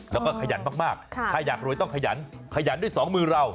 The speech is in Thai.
แล้วก็ขยันมากถ้าอยากรวยต้องขยันขยันด้วยสองมือเรา